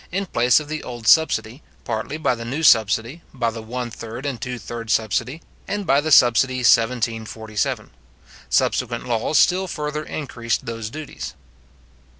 in place of the old subsidy, partly by the new subsidy, by the one third and two thirds subsidy, and by the subsidy 1747. Subsequent laws still further increased those duties.